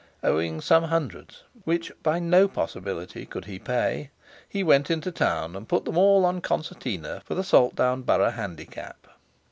Owing some hundreds, which by no possibility could he pay, he went into town and put them all on Concertina for the Saltown Borough Handicap.